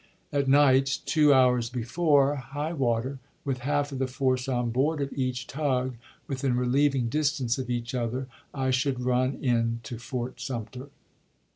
At night, two Fe'ifcfi^i. hours before high water, with half the force on board of l" '*"' ^3L eacn tug, within relieving distance of each other, I should " 2oi. ' run in to Fort Sumter.